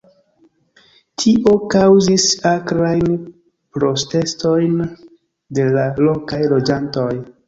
Tio kaŭzis akrajn protestojn de la lokaj loĝantoj.